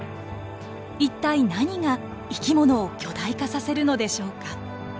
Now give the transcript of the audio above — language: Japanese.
一体何が生き物を巨大化させるのでしょうか。